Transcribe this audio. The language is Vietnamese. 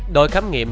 đội khám nghiệm